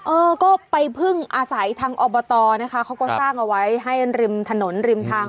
เออก็ไปพึ่งอาศัยทางอบตนะคะเขาก็สร้างเอาไว้ให้ริมถนนริมทาง